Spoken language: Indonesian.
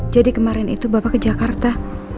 jadi kemarin itu bapak ke jakarta